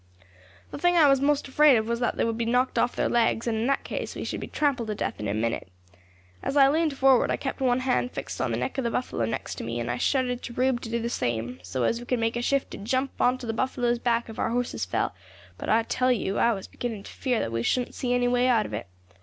"The thing I was most afraid of was that they would be knocked off their legs, and in that case we should be trampled to death in a minute. As I leaned forward I kept one hand fixed on the neck of the buffalo next me, and I shouted to Rube to do the same, so as we could make a shift to jump on to the buffalo's back if our horses fell; but, I tell you, I was beginning to fear that we shouldn't see any way out of it.